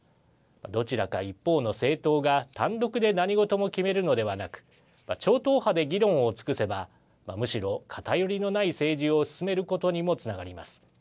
どちらか一方の政党が単独で何事も決めるのではなく超党派で議論を尽くせばむしろ偏りのない政治を進めることにもつながります。